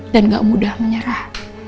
dan gak mudah menyerah